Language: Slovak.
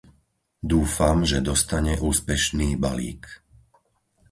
Dúfam, že dostane úspešný balík.